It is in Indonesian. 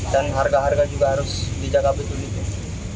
dan harga harga juga harus dijaga betul betul